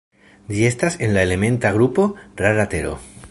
Ĝi estas en la elementa grupo "rara tero".